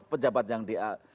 pejabat yang dia